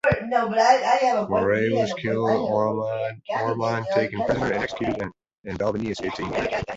Moray was killed, Ormonde taken prisoner and executed, and Balvenie escaped to England.